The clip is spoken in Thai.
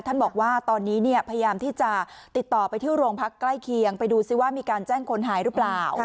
ท่านบอกว่าตอนนี้พยายามที่จะติดต่อไปที่โรงพักใกล้เคียงไปดูซิว่ามีการแจ้งคนหายหรือเปล่า